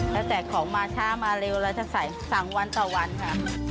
แล้วแต่ของมาช้ามาเร็วเราจะใส่๓วันต่อวันค่ะ